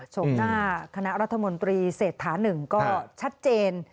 โฉกหน้าคณะรัฐมนตรีเสร็จถา๑ก็ชัดเจน